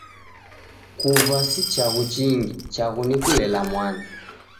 Kuva si chaghu chingi, chaghu ni kulela mwana.